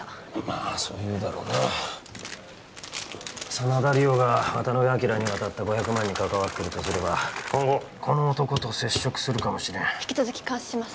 あそう言うだろうな真田梨央が渡辺昭に渡った５００万円に関わってるとすれば今後この男と接触するかもしれん引き続き監視します